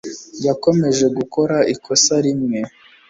Yakomeje gukora ikosa rimwe.